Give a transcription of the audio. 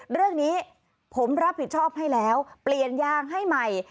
เรื่องนี้ผมรับผิดชอบให้แล้วเปลี่ยนยางให้ใหม่